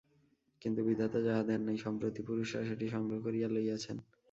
কিন্তু বিধাতা যাহা দেন নাই সম্প্রতি পুরুষরা সেটি সংগ্রহ করিয়া লইয়াছেন।